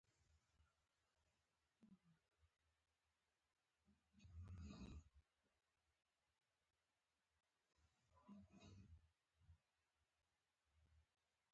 یو له بله هیڅکله نه شي بېلېدای.